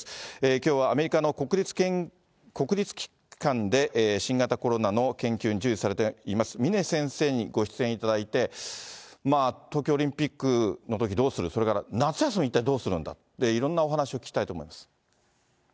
きょうはアメリカの国立機関で新型コロナの研究に従事されています、峰先生にご出演いただいて、東京オリンピックのときどうする、それから夏休み一体どうするんだ、いろんなお話を聞きたいと思います。